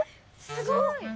すごい！